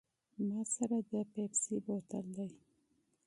ما سره د پیپسي دا بوتل دی.